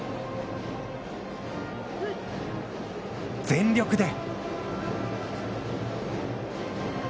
全力で！